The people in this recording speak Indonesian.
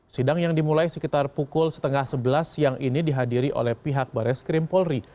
sidang yang dimulai sekitar pukul setengah sebelas siang ini dihadiri oleh pihak baris krim polri